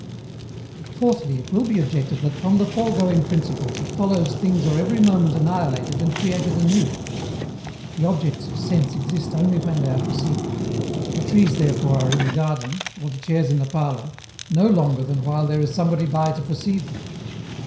Fourthly, it will be objected that from the foregoing principles it follows things are every moment annihilated and created anew. The objects of sense exist only when they are perceived; the trees therefore are in the garden, or the chairs in the parlour, no longer than while there is somebody by to perceive them.